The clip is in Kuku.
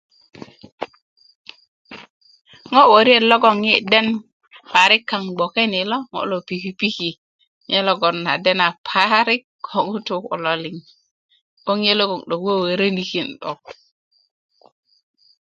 ŋo wöriet loŋ yi den parik kaŋ bgoke ni lo a piki piki nye logon a dena parik ko ŋutu kulo 'boŋ nye logon 'dok wöwörönikin 'dok